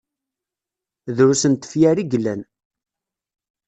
Drus n tefyar i yellan.